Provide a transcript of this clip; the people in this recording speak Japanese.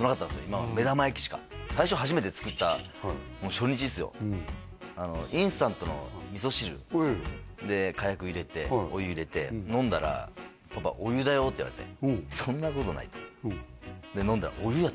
今まで目玉焼きしか最初初めて作った初日ですよインスタントの味噌汁でかやく入れてお湯入れて飲んだらって言われてそんなことないとそりゃそうだよ！